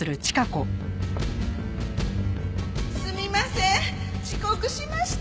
すみません遅刻しました。